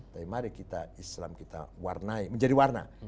tapi mari islam kita menjadi warna